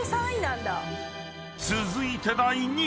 ［続いて第２位］